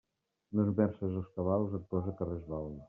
No esmerces els cabals en cosa que res val.